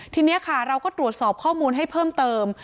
ทีนี้ค่ะเราก็ตรวจสอบข้อมูลให้เพิ่มเติม